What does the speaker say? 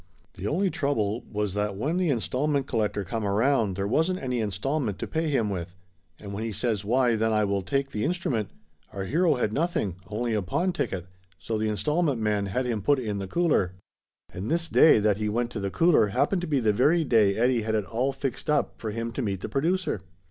The only trouble was that when the installment col lector come around there wasn't any installment to pay him with, and when he says why then I will take the instrument, our hero had nothing only a pawn ticket, so the installment man had him put in the cooler. And 195 196 Laughter Limited this day that he went to the cooler happened to be the very day Eddie had it all fixed up for him to meet the producer.